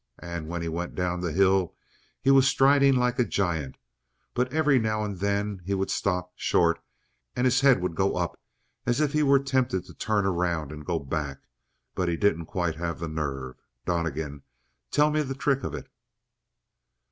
And when he went down the hill he was striding like a giant, but every now and then he would stop short, and his head would go up as if he were tempted to turn around and go back, but didn't quite have the nerve. Donnegan, tell me the trick of it?"